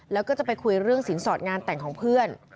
แล้วก็จะไปคุยเรื่องสินสอดงานแต่งของเพื่อน